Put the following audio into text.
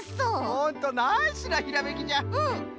ほんとナイスなひらめきじゃ！